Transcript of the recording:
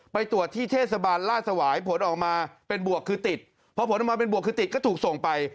ไปตรวจที่เทศบาลลาดสวายผลออกมาเป็นบวกคือติดพอผลออกมาเป็นบวกคือติดก็ถูกส่งไป